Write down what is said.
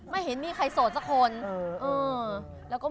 ไม่มีใครโอดสักคน